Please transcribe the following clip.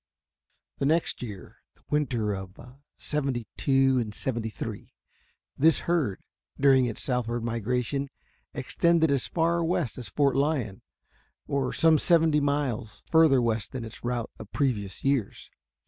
The next year the winter of '72 and '73 this herd, during its southward migration, extended as far west as Fort Lyon, or some seventy miles farther west than its route of previous years.